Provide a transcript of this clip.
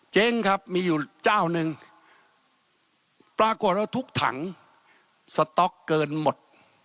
เจ๊งครับมีอยู่เจ้าหนึ่งปรากฏว่าทุกถังสต๊อกเกินหมด